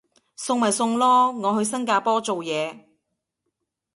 送咪送咯，我去新加坡做嘢